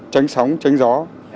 tránh sóng tránh gió